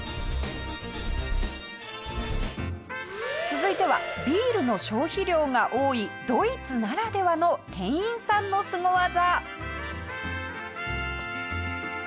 続いてはビールの消費量が多いドイツならではの店員さんのスゴ技。